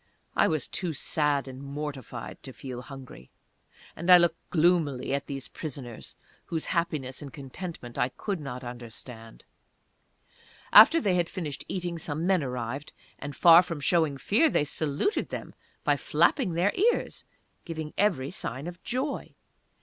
I was too sad and mortified to feel hungry, and I looked gloomily at these prisoners, whose happiness and contentment I could not understand. After they had finished eating some men arrived, and far from showing fear, they saluted them by flapping their ears giving every sign of joy.